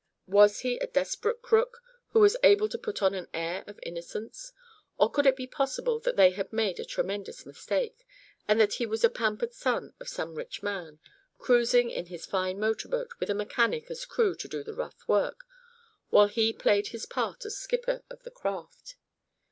Was he a desperate crook, who was able to put on an air of innocence; or could it be possible they had made a tremendous mistake, and that he was a pampered son of some rich man, cruising in his fine motorboat, with a mechanic as crew to do the rough work, while he played his part as skipper of the craft?